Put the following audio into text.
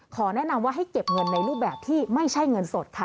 แนะนำว่าให้เก็บเงินในรูปแบบที่ไม่ใช่เงินสดค่ะ